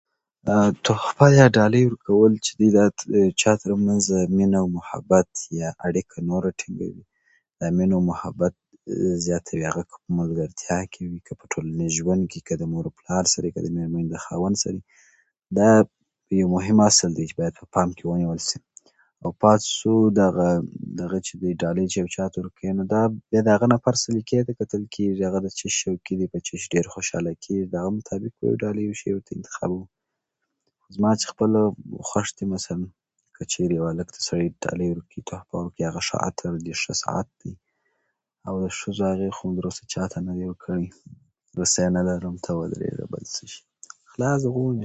تحفه یا ډالۍ ورکول چې دي، دا د یو چا تر منځ مینه، محبت یا اړیکه نوره هم ټینګوي. مینه او محبت زیاتوي، هغه که په ملګرتیا کې وي، که په ټولنیز ژوند کې، که له مور او پلار سره وي، که د مېرمنې او خاوند تر منځ وي. دا یو مهم اصل دی چې باید په پام کې ونیول شي. او پاتې شو د هغه، هغه چې دی، ډالۍ چې چاته ورکوې، نو هغه نفر [unintelligible] ته به کتل کېږي، د څه ډېر شوقي دی، په څه ډېر خوشاله کېږي. د هغه مطابق شی ورته انتخابوو. زما چې خپل خوښ دي، مثلاً که چېرې یو څوک چاته قلم ورکړي، تحفه ورکړي، هغه ښه عطر دي، ښه ساعت او ښې ... خو مو تراوسه چاته نه دي ورکړي. [unintelligible] یې هم نه لرم، ته ودرې [unintelligible] خلاص، دغومره.